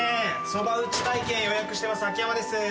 そば打ち体験予約してます秋山です。